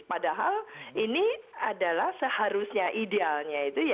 padahal ini adalah seharusnya idealnya